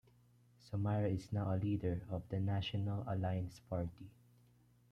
Somare is now leader of the National Alliance Party.